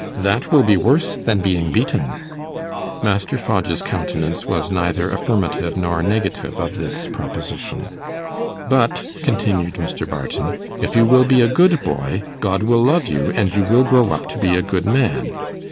That will be worse than being beaten.' Master Fodge's countenance was neither affirmative nor negative of this proposition. 'But,' continued Mr. Barton, 'if you will be a good boy, God will love you, and you will grow up to be a good man.